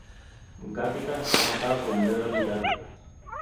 Gatica está casado con Beverly Gatica.